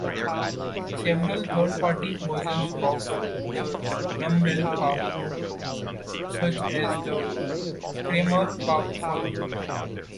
Several thirdparty versions of the Rumble Pak, such as the Tremor Pak, followed.